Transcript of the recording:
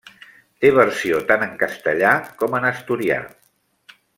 Té versió tant en castellà com en asturià.